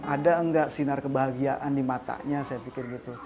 ada enggak sinar kebahagiaan di matanya saya pikir gitu